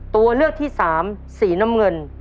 ตัวเลือกที่สามสีน้ำเงิน